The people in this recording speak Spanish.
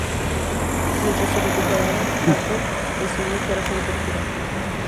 Mientras se recuperaba, Hathcock recibió el Corazón Púrpura.